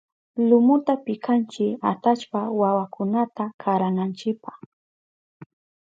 Lumuta pikanchi atallpa wawakunata karananchipa.